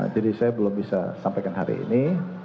jadi saya belum bisa sampaikan hari ini